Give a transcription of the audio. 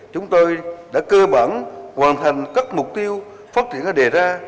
chúng tôi đã cơ bản hoàn thành các mục tiêu phát triển đã đề ra